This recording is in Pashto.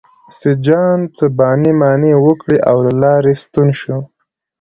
سیدجان څه بانې مانې وکړې او له لارې ستون شو.